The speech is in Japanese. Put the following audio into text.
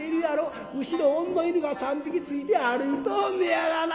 後ろオンの犬が３匹ついて歩いとんねやがな。